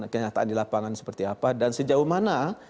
kenyataan di lapangan seperti apa dan sejauh mana